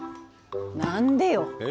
何でよ！え？